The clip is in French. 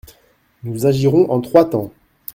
Nous agirons en trois temps.